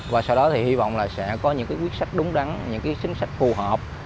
và sau đó thì hy vọng là sẽ có những quyết sách đúng đắn những chính sách phù hợp